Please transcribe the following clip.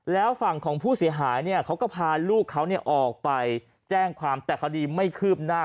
แล้วฝั่งของผู้เสียหายเนี่ยเขาก็พาลูกเขาออกไปแจ้งความแต่คดีไม่คืบหน้า